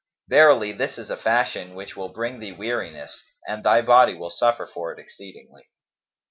Verily, this is a fashion which will bring thee weariness, and thy body will suffer for it exceedingly."